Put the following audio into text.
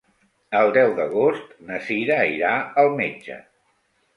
El deu d'agost na Sira irà al metge.